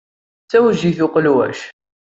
D tawejjiṭ uqelwac.